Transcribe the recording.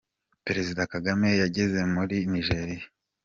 Perezida Kagame yageze muri Nigeriya